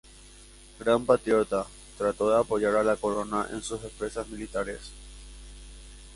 Gran patriota, trató de apoyar a la Corona en sus empresas militares.